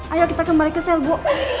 ayo kita kembali ke sel bu